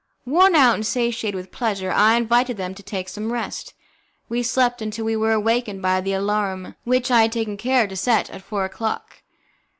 Worn out and satiated with pleasure, I invited them to take some rest. We slept until we were awakened by the alarum, which I had taken care to set at four o'clock.